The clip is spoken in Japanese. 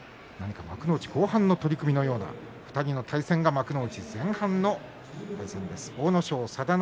幕内後半の取組のような２人の対戦が幕内前半です。